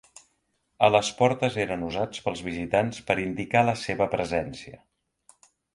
A les portes eren usats pels visitants per indicar la seva presència.